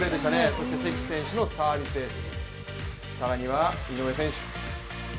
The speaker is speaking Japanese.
そして関選手のサービスエース、更には、井上選手。